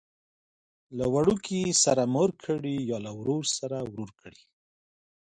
چې وړوکي سره مور کړي یا له ورور سره ورور کړي.